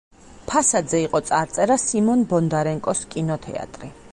ფასადზე იყო წარწერა „სიმონ ბონდარენკოს კინოთეატრი“.